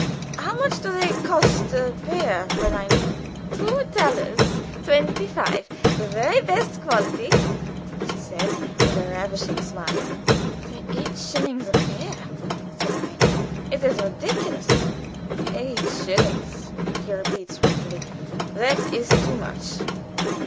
How much do they cost the pair, Fräulein?" "Two thalers twenty five; the very best quality," she says, with a ravishing smile. "There! eight shillings a pair!" say I. "It is ridiculous." "Eight shillings!" he repeats, ruefully. "That is too much."